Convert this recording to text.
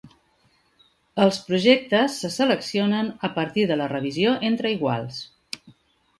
Els projectes se seleccionen a partir de la revisió entre iguals.